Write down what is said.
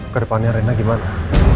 ke depannya arena gimana